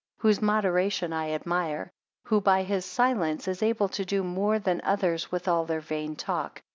3 Whose moderation I admire; who by his silence is able to do more than others with all their vain talk.